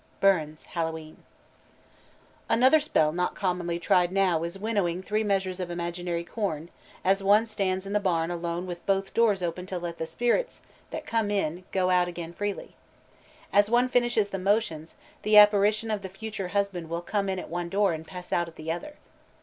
BURNS: Hallowe'en. Cross beam. Ask. Another spell not commonly tried now is winnowing three measures of imaginary corn, as one stands in the barn alone with both doors open to let the spirits that come in go out again freely. As one finishes the motions, the apparition of the future husband will come in at one door and pass out at the other.